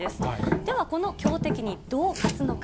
では、この強敵にどう勝つのか。